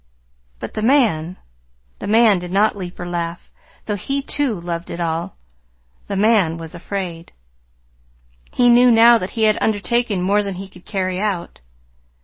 But the man the man did not leap or laugh, though he, too, loved it all. The man was afraid. He knew now that he had undertaken more than he could carry out.